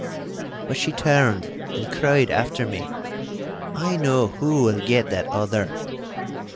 But she turned and cried after me, 'I know who will get that other.